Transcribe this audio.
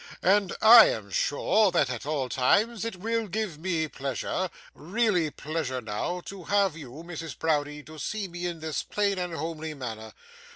And I am sure that at all times it will give me pleasure really pleasure now to have you, Mrs. Browdie, to see me in this plain and homely manner.